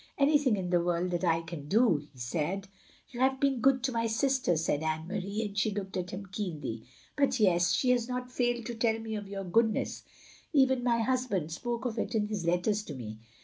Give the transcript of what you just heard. "Anything in the world that I can do —" he said. "You have been good to my sister," said Anne Marie, and she looked at him keenly. " But yes — she has not failed to tell mef of your goodness; evein — ^my husband — spoke of it in his letters to me.